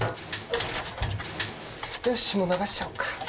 よしもう流しちゃおうか。